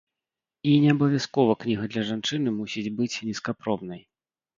І не абавязкова кніга для жанчыны мусіць быць нізкапробнай.